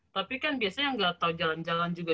tapi kan biasanya yang gak tau jalan jalan juga